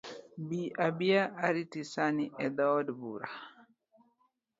Bi abia ariti sani e dhood bura.